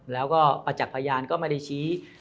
แล้วก็ประจักษ์พยานก็ไม่ได้ชี้